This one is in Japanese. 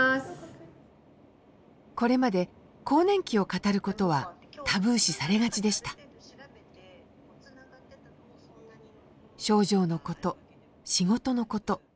これまで更年期を語ることはタブー視されがちでした症状のこと仕事のこと。